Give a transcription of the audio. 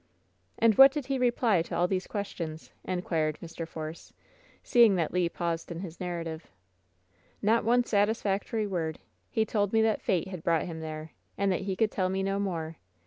"And what did he reply to all these questions?" in quired Mr. Force, seeing that Le paused in his narra tive. "Not one satisfactory wordl He told me that fate had brought him there, and that he could tell me no more.